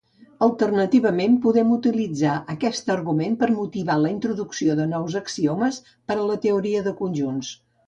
Alternativament, podem utilitzar aquest argument per motivar la introducció de nous axiomes per a la teoria de conjunts.